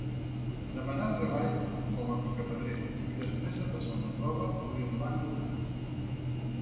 Demanà treball com a picapedrer i, després de passar una prova, li'l van donar.